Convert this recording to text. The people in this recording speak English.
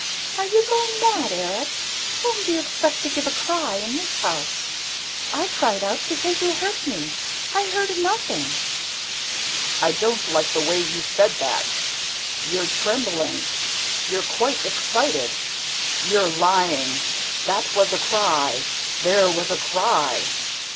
Are you going mad, Erik? Whom do you expect to give a cry, in this house? ... I cried out, because you hurt me! I heard nothing." "I don't like the way you said that! ... You're trembling... You're quite excited ... You're lying! ... That was a cry, there was a cry!